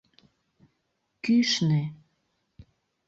— Кӱшнӧ...